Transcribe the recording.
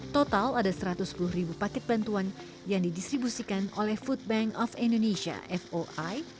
total ada satu ratus sepuluh ribu paket bantuan yang didistribusikan oleh food bank of indonesia foi